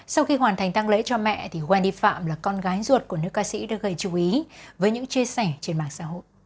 sau khi hoàn thành tăng lễ cho mẹ thì wani phạm là con gái ruột của nữ ca sĩ đã gây chú ý với những chia sẻ trên mạng xã hội